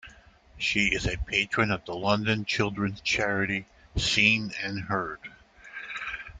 She is a patron of the London children's charity Scene and Heard.